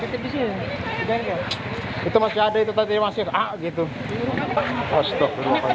itu masih ada itu tadi masih a gitu